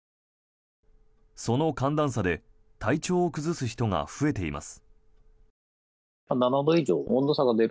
その寒暖差で体調を崩す人が増えています。